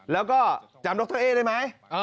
แล้วก็จำดรเอ๊ได้ไหม